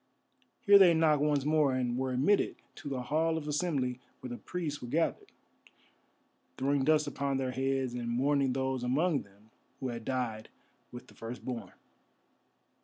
Here they knocked once more, and were admitted to the Hall of Assembly where the priests were gathered, throwing dust upon their heads and mourning those among them who had died with the Firstborn.